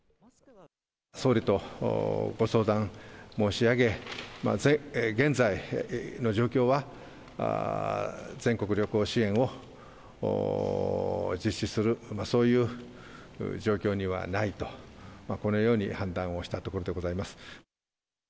総理とご相談申し上げ、現在の状況は、全国旅行支援を実施する、そういう状況にはないと、このように判断をしたところでございます。